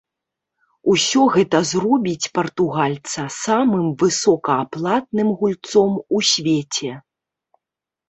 Усё гэта зробіць партугальца самым высокааплатным гульцом у свеце.